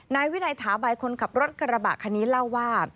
นายวินัยถาใบคนขับรถกระบะคันนี้เล่าว่า